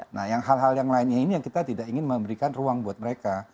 nah hal hal yang lainnya ini yang kita tidak ingin memberikan ruang buat mereka